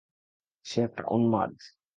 সে একটা উম্মাদ!